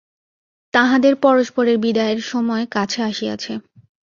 তাঁহাদের পরস্পরের বিদায়ের সময় কাছে আসিয়াছে।